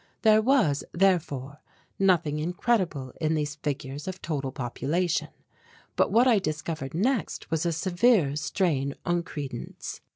There was, therefore, nothing incredible in these figures of total population, but what I next discovered was a severe strain on credence.